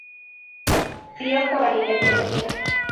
Pío Cabanillas tiene dos hijas.